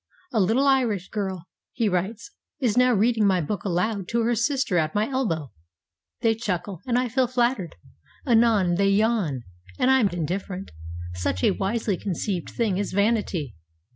'A little Irish girl,' he writes, 'is now reading my book aloud to her sister at my elbow. They chuckle, and I feel flattered; anon they yawn, and I am indifferent; such a wisely conceived thing is vanity.'